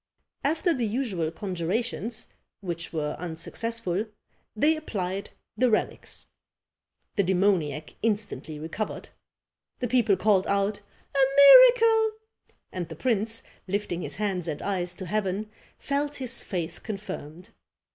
After the usual conjurations, which were unsuccessful, they applied the relics. The demoniac instantly recovered. The people called out "a miracle!" and the prince, lifting his hands and eyes to heaven, felt his faith confirmed.